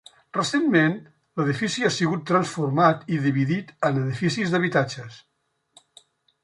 Recentment l'edifici ha sigut transformat i dividit en edificis d'habitatges.